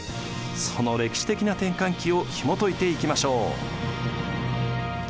その歴史的な転換期をひもといていきましょう。